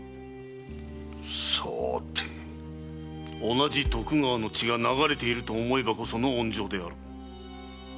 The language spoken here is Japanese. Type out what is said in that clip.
同じ徳川の血が流れていると思えばこその温情である。